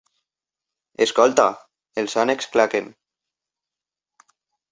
Escolta! Els ànecs claquen!